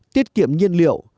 tiết kiệm nhiên liệu